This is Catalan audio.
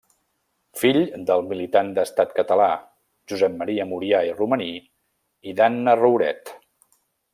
Fill del militant d'Estat Català Josep Maria Murià i Romaní i d'Anna Rouret.